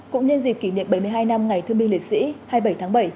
cũng nhân dịp kỷ niệm bảy mươi hai năm ngày thương binh liệt sĩ hai mươi bảy tháng bảy